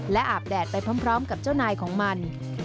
และอาบแดดไปพร้อมกับเจ้านายของมัน